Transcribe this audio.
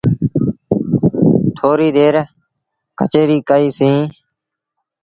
ٿوريٚ دير ڪچهريٚ ڪئيٚ سيٚݩ۔